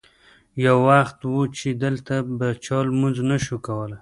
یو وخت و چې دلته به چا لمونځ نه شو کولی.